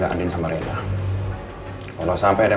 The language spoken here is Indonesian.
ala' ungu unru pilih kita selesai dulu